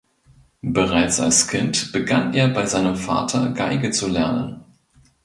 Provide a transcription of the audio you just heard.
Bereits als Kind begann er bei seinem Vater Geige zu lernen.